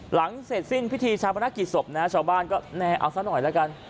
หลังเสร็จสิ้นพิธีชาปนกิจศพนะชาวบ้านก็แน่เอาซะหน่อยแล้วกัน